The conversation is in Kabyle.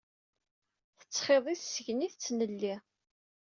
Tettxiḍi s tsegnit d tnelli.